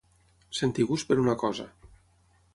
Sentir gust per una cosa.